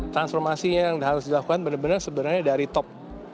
transformasi yang harus dilakukan benar benar sebenarnya dari top